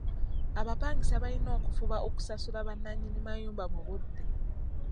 Abapangisa balina okufuba okusasula bannannyini mayumba mu budde.